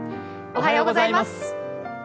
おはようございます。